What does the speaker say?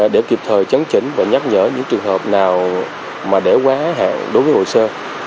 để kịp thời chấn chỉnh và nhắc nhở những trường hợp nào mà để quá hạn đối với hồ sơ